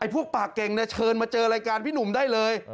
พวกปากเก่งเชิญมาเจอรายการพี่หนุ่มได้เลย